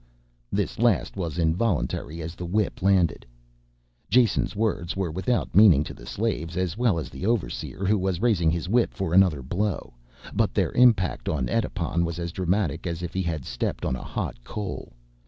This last was involuntary as the whip landed. Jason's words were without meaning to the slaves as well as the overseer who was raising his whip for another blow, but their impact on Edipon was as dramatic as if he had stepped on a hot coal.